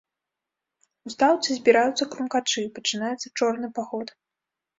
У стаўцы збіраюцца крумкачы, пачынаецца чорны паход.